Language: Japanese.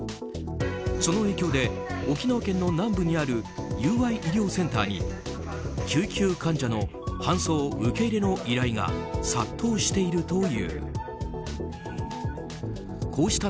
その影響で沖縄県の南部にある友愛医療センターに救急患者の搬送受け入れの依頼が殺到しているという。